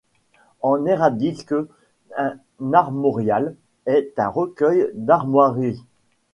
En héraldique, un armorial est un recueil d'armoiries.